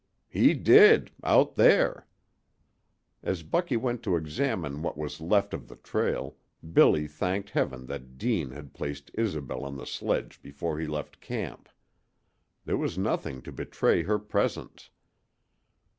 "He did out there!" As Bucky went to examine what was left of the trail Billy thanked Heaven that Deane had placed Isobel on the sledge before he left camp. There was nothing to betray her presence.